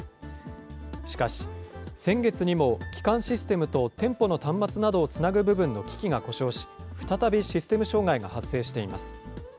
しかし、先月にも基幹システムと店舗の端末などをつなぐ部分の機器が故障し、再びシステム障害が発生しています。